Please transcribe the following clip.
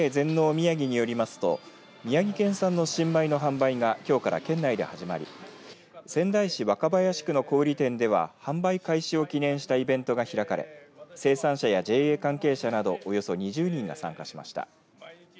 みやぎによりますと宮城県産の新米の販売がきょうから県内で始まり仙台市若林区の小売店では販売開始を記念したイベントが開かれ生産者やＪＡ関係者などおよそ２０人が参加しました。